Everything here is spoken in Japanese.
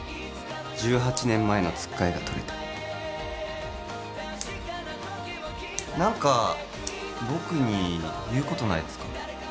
１８年前のつっかえが取れて何か僕に言うことないですか？